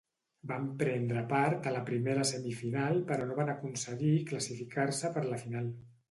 Van prendre part a la primera semifinal però no van aconseguir classificar-se per la final.